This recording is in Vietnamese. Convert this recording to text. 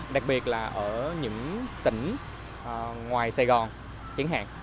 đặc biệt là ở những tỉnh ngoài sài gòn chẳng hạn